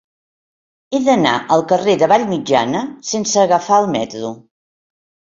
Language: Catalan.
He d'anar al carrer de Vallmitjana sense agafar el metro.